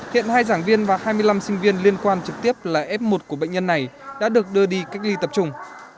hiện hai giảng viên và hai mươi năm sinh viên liên quan trực tiếp là f một của bệnh nhân này đã được đưa đi cách ly tập trung